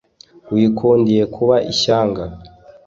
wikundiye kuba ishyanga